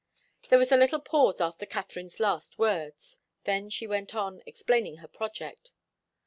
There was a little pause after Katharine's last words. Then she went on, explaining her project.